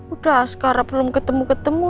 udah sekarang belum ketemu ketemu